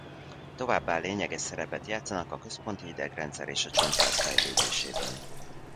Továbbá lényeges szerepet játszanak a központi idegrendszer és a csontváz fejlődésében.